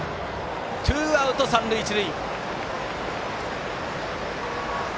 ツーアウト三塁一塁。